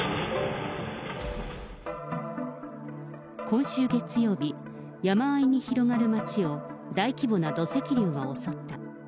今週月曜日、山あいに広がる街を、大規模な土石流が襲った。